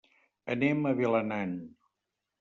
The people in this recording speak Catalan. Anem a Vilanant.